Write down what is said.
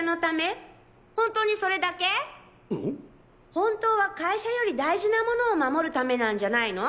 本当は会社より大事なものを守る為なんじゃないの？